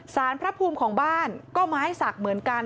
สารพระภูมิของบ้านก็ไม้สักเหมือนกัน